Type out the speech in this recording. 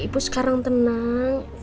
ibu sekarang tenang